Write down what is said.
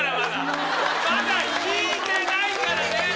まだ弾いてないからね！